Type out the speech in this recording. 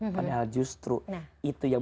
padahal justru itu yang